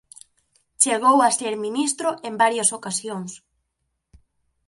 Chegou a ser ministro en varias ocasións.